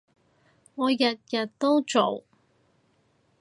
我日日都做